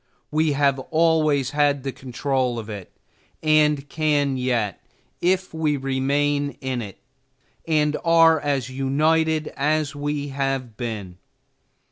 We have always had the control of it, and can yet, if we remain in it, and are as united as we have been.